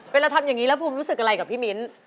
เวลาทำอย่างนี้แล้วภูมิรู้สึกอะไรกับพี่มิ้น